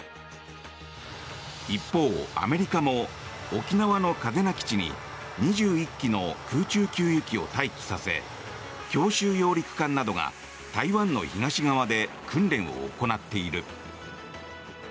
一方、アメリカも沖縄の嘉手納基地に２１機の空中給油機を待機させ強襲揚陸艦などが台湾の東側で訓練を行っている。